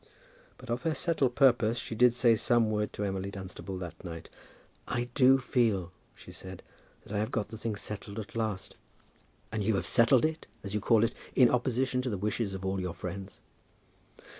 But of her settled purpose she did say some word to Emily Dunstable that night. "I do feel," she said, "that I have got the thing settled at last." "And you have settled it, as you call it, in opposition to the wishes of all your friends?"